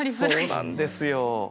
そうなんですよ。